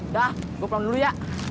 dah gue pulang dulu ya